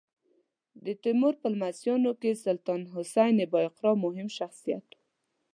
د تیمور په لمسیانو کې سلطان حسین بایقرا مهم شخصیت و.